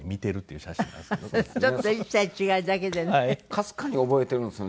かすかに覚えているんですよね